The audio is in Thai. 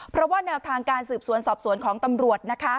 เพราะว่าแนวทางการสืบสวนสอบสวนของตำรวจนะคะ